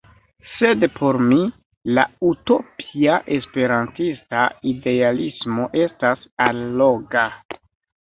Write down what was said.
Sed por mi la utopia esperantista idealismo estas alloga.